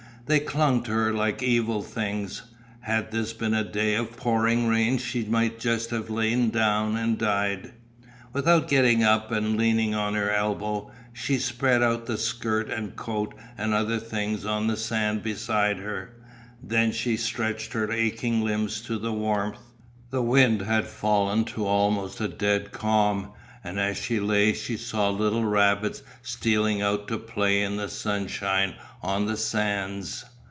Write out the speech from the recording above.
They clung to her like evil things. Had this been a day of pouring rain she might just have lain down and died. Without getting up, and leaning on her elbow, she spread out the skirt and coat and other things on the sand beside her, then she stretched her aching limbs to the warmth. The wind had fallen to almost a dead calm, and as she lay she saw little rabbits stealing out to play in the sunshine on the sands.